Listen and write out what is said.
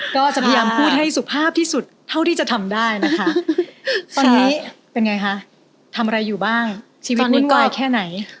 ก็จะพยายามพูดให้สุภาพที่สุดเท่าที่จะทำได้นะคะตอนนี้เป็นไงคะทำอะไรอยู่บ้างชีวิตนี้ใกล้แค่ไหน